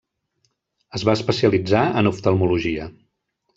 Es va especialitzar en oftalmologia.